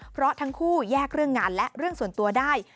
เพราะทั้งคู่แยกเรื่องงานและเรื่องส่วนตัวได้